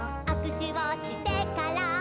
「あくしゅをしてから」